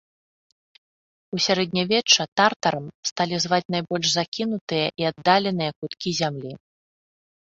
У сярэднявечча тартарам сталі зваць найбольш закінутыя і аддаленыя куткі зямлі.